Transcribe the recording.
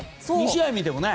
２試合見てもね。